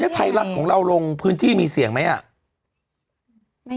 วันนี้ไทยรัดของเราลงพื้นที่มีเสี่ยงไหม